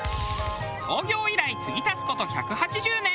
創業以来継ぎ足す事１８０年。